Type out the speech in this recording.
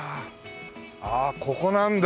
ああここなんだ。